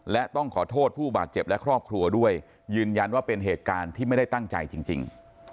และต้องขอโทษผู้บาดเจ็บและครอบครัวด้วยยืนยันว่าเป็นเหตุการณ์ที่ไม่ได้ตั้งใจจริง